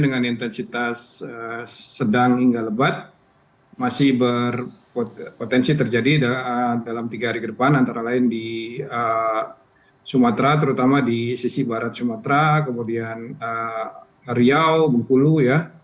dengan intensitas sedang hingga lebat masih berpotensi terjadi dalam tiga hari ke depan antara lain di sumatera terutama di sisi barat sumatera kemudian riau bengkulu ya